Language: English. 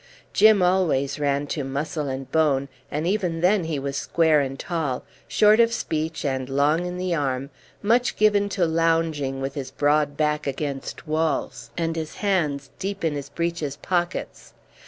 Jim always ran to muscle and bone, and even then he was square and tall, short of speech and long in the arm, much given to lounging with his broad back against walls, and his hands deep in his breeches pockets.